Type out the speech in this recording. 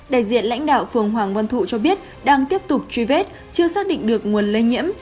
đại diện lãnh đạo phường hoàng văn thụ cho biết đang tiếp tục truy vết chưa xác định được nguồn lây nhiễm